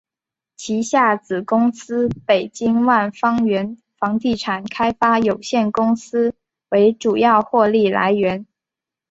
旗下子公司北京万方源房地产开发有限公司为主要获利来源。